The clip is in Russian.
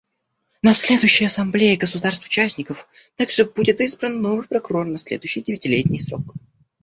На следующей Ассамблее государств-участников также будет избран новый Прокурор на следующий девятилетний срок.